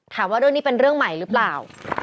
ถามว่าเรื่องนี้เป็นเรื่องใหม่หรือเปล่า